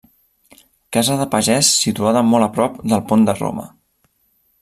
Casa de pagès situada molt a prop del pont de Roma.